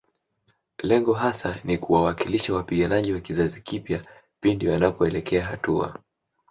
Lengo hasa ni kuwawakilisha wapiganaji wa kizazi kipya pindi wanapoelekea hatua